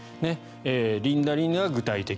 「リンダリンダ」が具体的。